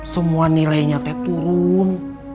semua nilainya teh turun